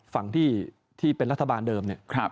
ฝั่งที่เป็นรัฐบาลเดิมเนี่ย